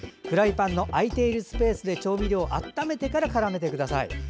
フライパンの空いているスペースで調味料を温めてからからめてください。